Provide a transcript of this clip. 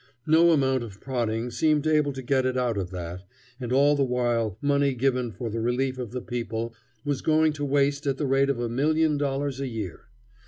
No amount of prodding seemed able to get it out of that, and all the while money given for the relief of the people was going to waste at the rate of a million dollars a year.